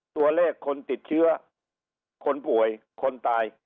ตัวเลขคนติดเชื้อคนป่วยคนตาย